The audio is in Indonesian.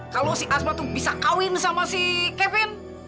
kalo si asma tuh bisa kawin sama si kevin